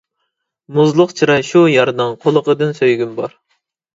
مۇزلۇق چىراي شۇ يارنىڭ، قۇلىقىدىن سۆيگۈم بار.